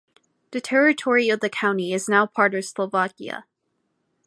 The territory of the county is now part of Slovakia.